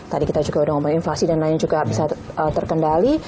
tadi kita juga udah ngomongin inflasi dan lain juga bisa terkendali